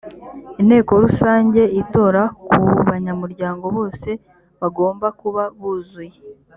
inteko rusange itora ku banyamuryango bose bagomba kuba buzuye